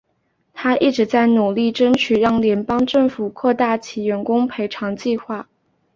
她一直在努力争取让联邦政府扩大其员工赔偿计划。